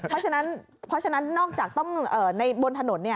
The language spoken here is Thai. เพราะฉะนั้นนอกจากต้องในบนถนนนี่